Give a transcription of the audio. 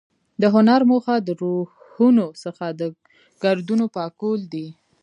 د هنر موخه د روحونو څخه د ګردونو پاکول دي.